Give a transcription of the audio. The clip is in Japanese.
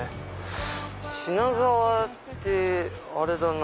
品川ってあれだな。